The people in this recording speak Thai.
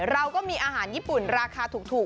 เราก็มีอาหารญี่ปุ่นราคาถูก